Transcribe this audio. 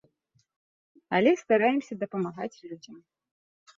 Але стараемся дапамагаць людзям.